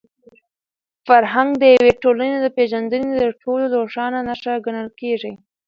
فرهنګ د یوې ټولني د پېژندني تر ټولو روښانه نښه ګڼل کېږي.